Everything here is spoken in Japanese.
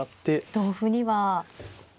同歩には。